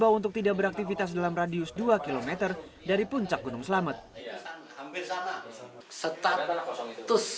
yang pertama tidak boleh ada aktivitas pada radius dua kilo dari pusat aktivitas